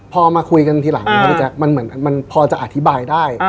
พอมาคุยกันทีหลังมันพอจะอธิบายได้